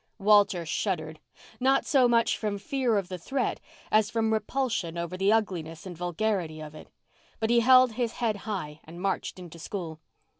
Walter shuddered—not so much from fear of the threat as from repulsion over the ugliness and vulgarity of it. But he held his head high and marched into school.